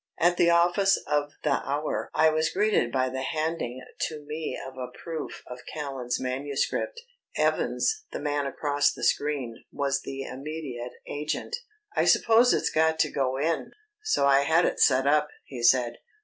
At the office of the Hour I was greeted by the handing to me of a proof of Callan's manuscript. Evans, the man across the screen, was the immediate agent. "I suppose it's got to go in, so I had it set up," he said.